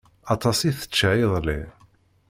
Aṭas i tečča iḍelli.